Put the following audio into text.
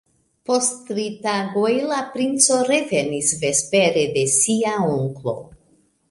Post tri tagoj la princo revenis vespere de sia onklo.